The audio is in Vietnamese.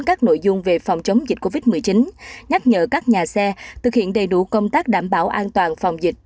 các nội dung về phòng chống dịch covid một mươi chín nhắc nhở các nhà xe thực hiện đầy đủ công tác đảm bảo an toàn phòng dịch